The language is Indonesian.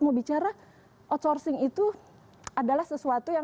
mau bicara outsourcing itu adalah sesuatu yang